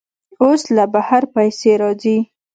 اوس له بهر پیسې راځي.